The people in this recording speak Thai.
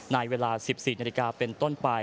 ในเวลา๑๔นาฬิกาเป็นต้นไป